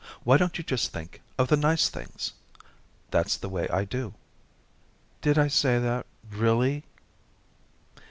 why don't you just think of the nice things? That's the way I do.'" "Did I say that really?"